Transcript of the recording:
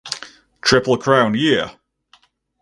Triple Crown year.